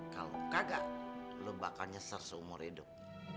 kalau kagak lo bakal nyeser seumur hidup